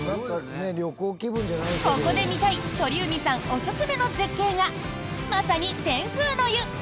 ここで見たい鳥海さんおすすめの絶景がまさに天空の湯！